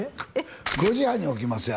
５時半に起きますよ